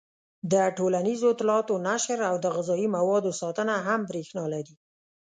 د ټولنیزو اطلاعاتو نشر او د غذايي موادو ساتنه هم برېښنا لري.